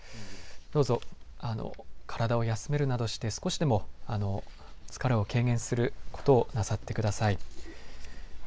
どうぞ体を休めるなどして少しでも疲れを軽減することをなさってください。